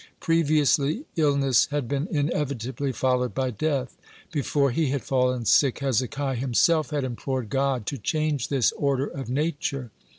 Previously illness had been inevitably followed by death. Before he had fallen sick, Hezekiah himself had implored God to change this order of nature.